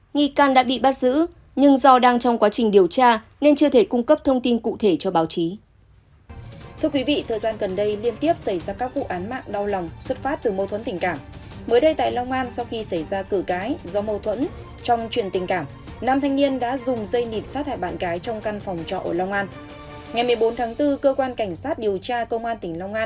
nghi can đã bị bắt giữ nhưng do đang trong quá trình điều tra nên chưa thể cung cấp thông tin cụ thể cho báo chí